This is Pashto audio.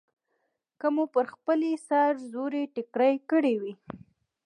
که مو پر خپلې سر زورۍ ټینګار کړی وای.